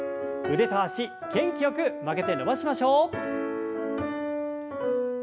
腕と脚元気よく曲げて伸ばしましょう。